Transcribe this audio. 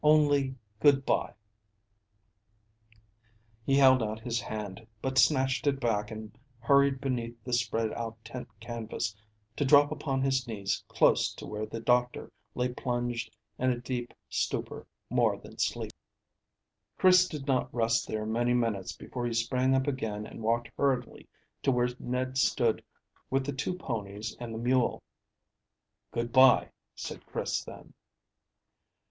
"Only good bye." He held out his hand, but snatched it back and hurried beneath the spread out tent canvas, to drop upon his knees close to where the doctor lay plunged in a deep stupor more than sleep. Chris did not rest there many minutes before he sprang up again and walked hurriedly to where Ned stood with the two ponies and the mule. "Good bye," said Chris then.